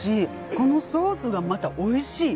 このソースがまたおいしい。